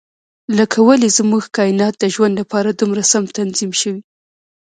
لکه ولې زموږ کاینات د ژوند لپاره دومره سم تنظیم شوي.